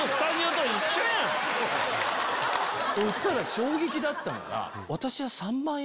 そしたら衝撃だったのが。